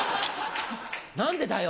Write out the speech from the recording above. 何でだよ。